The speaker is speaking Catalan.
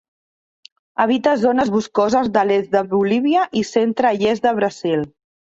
Habita zones boscoses de l'est de Bolívia i centre i est de Brasil.